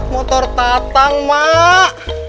motor tatang mak